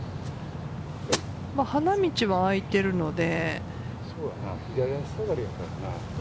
花道は空いているので。